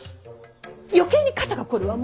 余計に肩が凝るわ。